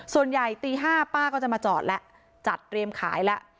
ส่วนใหญ่ตี๕ป้าก็จะมาจอดละจัดเตรียมขายละ